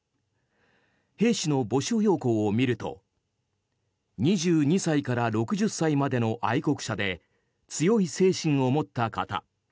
兵士の募集要項を見ると２２歳から６０歳までの愛国者で強い精神を持った方。